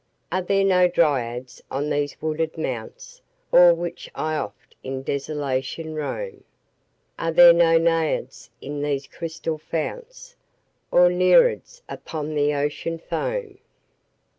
Are there no Dryads on these wooded mounts O'er which I oft in desolation roam? Are there no Naiads in these crystal founts? Nor Nereids upon the Ocean foam?